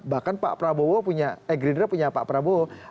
bahkan pak prabowo punya eh gerindra punya pak prabowo